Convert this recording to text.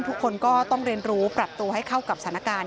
ทุกคนก็ต้องเรียนรู้ปรับตัวให้เข้ากับสถานการณ์